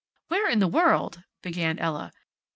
"Where in the world " began Ella.